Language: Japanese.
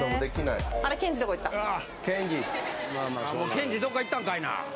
ケンジどっか行ったんかいな！